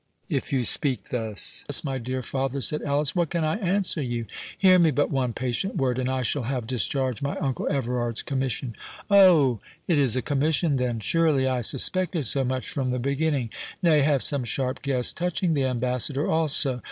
"If you speak thus, my dear father," said Alice, "what can I answer you? Hear me but one patient word, and I shall have discharged my uncle Everard's commission." "Oh, it is a commission, then? Surely, I suspected so much from the beginning—nay, have some sharp guess touching the ambassador also.